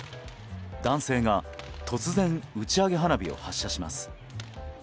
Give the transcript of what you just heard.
男性が突然打ち上げ花火を発射します。